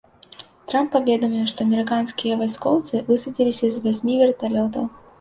Трамп паведаміў, што амерыканскія вайскоўцы высадзіліся з васьмі верталётаў.